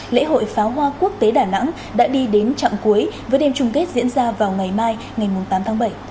lễ hội pháo hoa quốc tế đà nẵng đã đi đến trạng cuối với đêm chung kết diễn ra vào ngày mai ngày tám tháng bảy